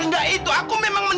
engga kak stryker